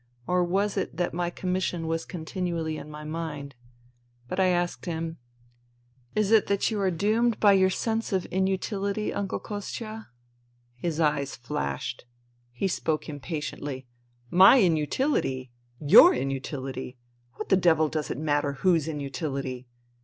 Or was it that my commission was continually in my mind ? But I asked him : "Is it that you are doomed by your sense of nutihty, Uncle Kostia ?" His eyes flashed. He spoke impatiently :" My INTERVENING IN SIBERIA 157 inutility ! Your inutility ! What the devil does it matter whose inutility?